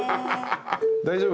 大丈夫？